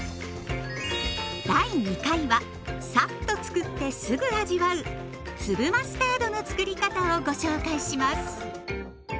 第２回はさっとつくってすぐ味わう粒マスタードのつくり方をご紹介します。